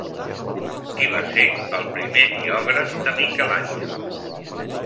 Qui va ser el primer biògraf de Miquel Àngel?